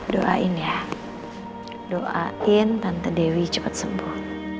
doain ya doain tante dewi cepat sembuh